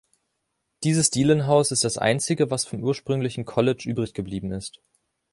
Dieses Dielenhaus ist das Einzige, was vom ursprünglichen College übrig geblieben ist.